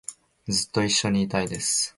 ずっと一緒にいたいです